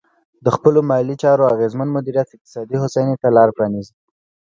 د خپلو مالي چارو اغېزمن مدیریت اقتصادي هوساینې ته لار پرانیزي.